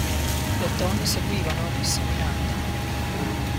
Le donne seguivano, seminando.